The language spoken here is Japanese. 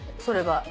それは。